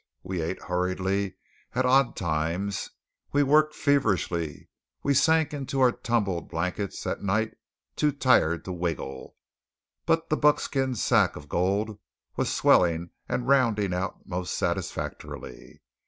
We ate hurriedly at odd times; we worked feverishly; we sank into our tumbled blankets at night too tired to wiggle. But the buckskin sack of gold was swelling and rounding out most satisfactorily.